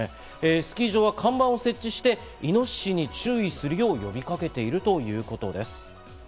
スキー場は看板を設置して、イノシシに注意するよう呼びかけているということです。